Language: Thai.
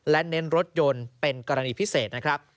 และเน้นรถยนต์เป็นกรณีพิเศษ